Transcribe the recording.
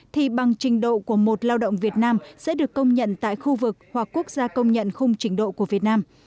thì bằng trình độ của một lao động việt nam sẽ được công nhận tại khu vực hoặc quốc gia công nhận khung trình độ của việt nam